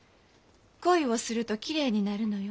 恋をするときれいになるのよ。